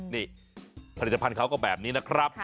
นี่ผลิตภัณฑ์เขาก็แบบนี้นะครับ